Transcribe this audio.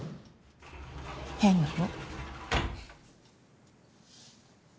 変なの。